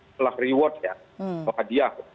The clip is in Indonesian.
setelah reward ya bahwa dia